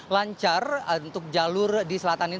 lancar untuk jalur di selatan ini